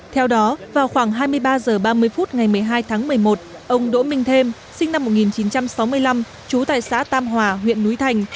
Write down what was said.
theo đó vào khoảng hai mươi ba h ba mươi phút ngày một mươi hai tháng một mươi một ông đỗ minh thêm sinh năm một nghìn chín trăm sáu mươi năm trú tại xã tam hòa huyện núi thành